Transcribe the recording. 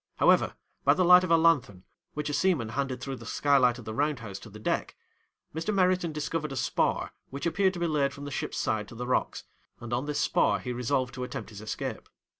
However, by the light of a lanthorn, which a seaman handed through the skylight of the round house to the deck, Mr. Meriton discovered a spar which appeared to be laid from the ship's side to the rocks, and on this spar he resolved to attempt his escape.